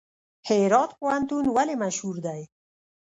هرات پوهنتون ولې مشهور دی؟